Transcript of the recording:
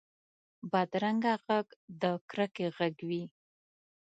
بدرنګه غږ د کرکې غږ وي